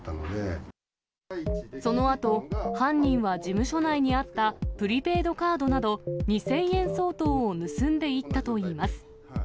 そのあと、犯人は事務所内にあったプリペイドカードなど２０００円相当を盗んでいったといいます。